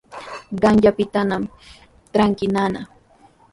Qanyaanpitanami trakin nana.